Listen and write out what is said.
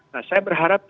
nah saya berharap